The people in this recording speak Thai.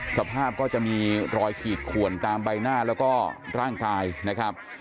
สภาพก็จะมีรอยขีดขวนตามใบหน้าแล้วก็ร่างกายนะครับ